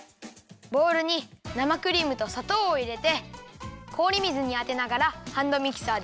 ボウルになまクリームとさとうをいれてこおりみずにあてながらハンドミキサーであわだてるよ。